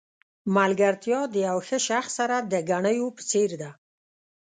ملګرتیا د یو ښه شخص سره د ګنیو په څېر ده.